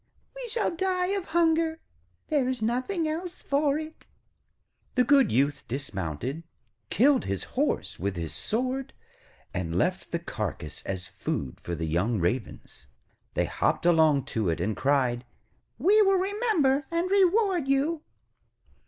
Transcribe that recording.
We shall die of hunger, there is nothing else for it.' The good Youth dismounted, killed his horse with his sword, and left the carcase as food for the young Ravens. They hopped along to it, and cried: 'We will remember and reward you.'